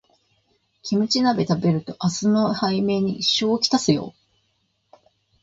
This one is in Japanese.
キムチ鍋食べると明日の排便に支障をきたすよ